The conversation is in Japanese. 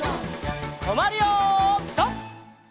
とまるよピタ！